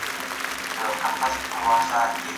سم نیت جنجال نه پیدا کوي.